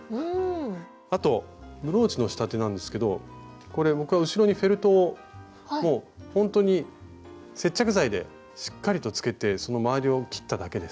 あとブローチの仕立てなんですけどこれ僕は後ろにフェルトをもうほんとに接着剤でしっかりとつけてそのまわりを切っただけです。